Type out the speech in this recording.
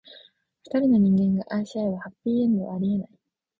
二人の人間が愛し合えば、ハッピーエンドはありえない。